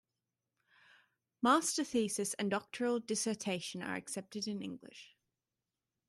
Master thesis and doctoral dissertation are accepted in English.